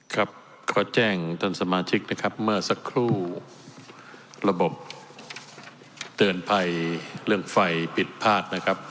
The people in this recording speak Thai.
ครับก็แจ้งท่านสมาชิกนะครับเมื่อสักครู่ระบบเตือนภัยเรื่องไฟผิดพลาดนะครับ